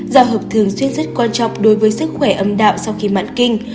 giao hợp thường xuyên rất quan trọng đối với sức khỏe âm đạo sau khi mãn kinh